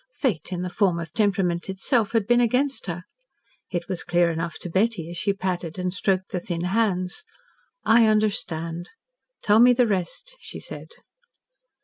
Fate, in the form of temperament itself, had been against her. It was clear enough to Betty as she patted and stroked the thin hands. "I understand. Tell me the rest," she said.